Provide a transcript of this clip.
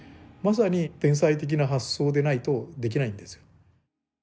まさに天才的な発想でないとできないんですよ。